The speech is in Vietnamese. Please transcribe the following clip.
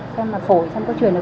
xem là phổi xem có truyền được